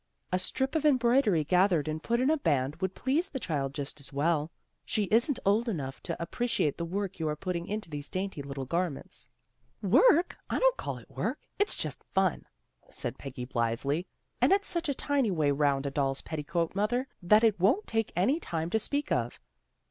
" A strip of em broidery gathered and put in a band would please the child just as well. She isn't old enough to appreciate the work you are putting into these dainty little garments." " Work! I don't call it work. It's just fun," said Peggy blithely. " And it's such a tiny way round a doll's petticoat, mother, that it won't take any time to speak of."